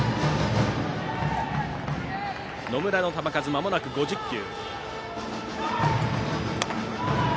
野村の球数はまもなく５０球。